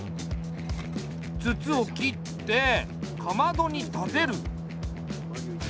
筒を切ってかまどに立てる。